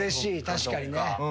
確かにね。